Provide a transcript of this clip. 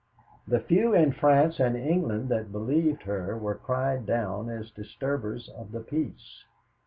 The few in France and in England that believed her were cried down as disturbers of the peace.